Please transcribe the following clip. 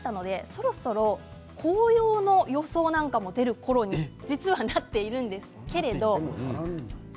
そろそろ紅葉の予想も出るころに実は、なっているんですけれど。